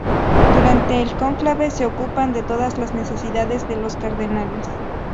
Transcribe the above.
Durante el cónclave se ocupan de todas las necesidades de los cardenales.